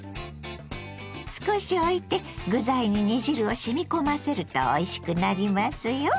少しおいて具材に煮汁をしみ込ませるとおいしくなりますよ。